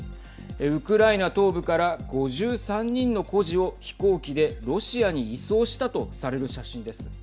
ウクライナ東部から５３人の孤児を飛行機でロシアに移送したとされる写真です。